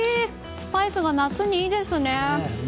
スパイスが夏にいいですね。